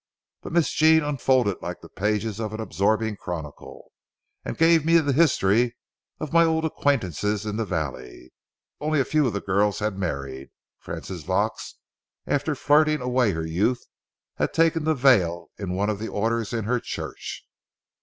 But Miss Jean unfolded like the pages of an absorbing chronicle, and gave me the history of my old acquaintances in the valley. Only a few of the girls had married. Frances Vaux, after flirting away her youth, had taken the veil in one of the orders in her church.